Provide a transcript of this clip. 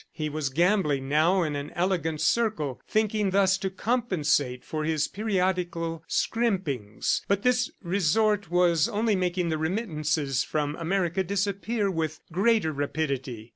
He was gambling now in an elegant circle, thinking thus to compensate for his periodical scrimpings; but this resort was only making the remittances from America disappear with greater rapidity.